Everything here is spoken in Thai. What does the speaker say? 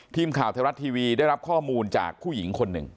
ทีมข่าวไทยรัฐทีวีได้รับข้อมูลจากผู้หญิงคนหนึ่ง